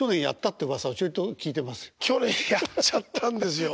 去年やっちゃったんですよ。